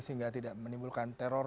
sehingga tidak menimbulkan teror